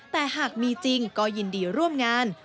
แต่หากมีจริงก็ยินดีร่วมงาน